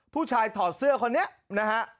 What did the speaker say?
ผู้ชายถอดเสื้อคนนี้นะฮะ